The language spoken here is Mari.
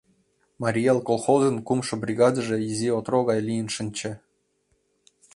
«Марий эл» колхозын кумшо бригадыже изи отро гай лийын шинче.